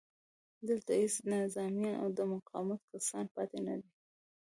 دلته هېڅ نظامیان او د مقاومت کسان پاتې نه دي